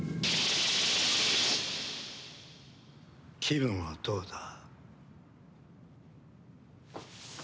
気分はどうだ？